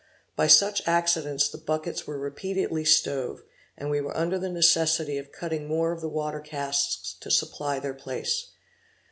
By such accidents the buckets were repeatedly stove, and we were under the necessity of cutting more of the water casks to supply their place.